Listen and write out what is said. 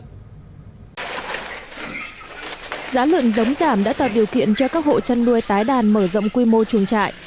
giá lợn giống giảm đã tạo điều kiện cho các hộ chăn nuôi tái đàn mở rộng quy mô chuồng trại